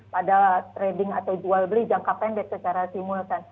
pada trading atau jual beli jangka pendek secara simultan